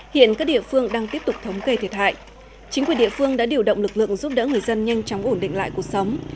hiện các địa phương đang tiếp tục thống kê thiệt hại chính quyền địa phương đã điều động lực lượng giúp đỡ người dân nhanh chóng ổn định lại cuộc sống